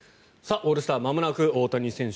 オールスターまもなく大谷選手